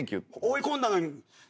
追い込んだのに。